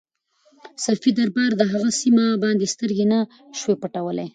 صفوي دربار پر دغه سیمه باندې سترګې نه شوای پټولای.